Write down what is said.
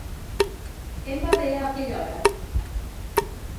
Em va bé a aquella hora.